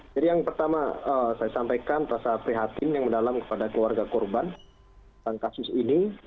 jadi yang pertama saya sampaikan rasa prihatin yang mendalam kepada keluarga korban tentang kasus ini